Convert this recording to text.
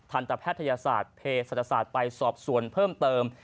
ทันตแพทยศาสตร์เพศศาสตร์ไปสอบส่วนเพิ่มเติม